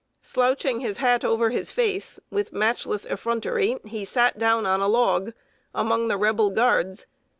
Slouching his hat over his face, with matchless effrontery he sat down on a log, among the Rebel guards.